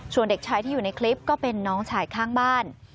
ส่วนเด็กชายที่อยู่ในคลิปก็เป็นน้องชายข้างบ้าน